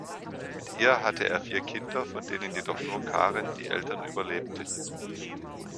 Mit ihr hatte er vier Kinder, von denen jedoch nur Karen die Eltern überlebte.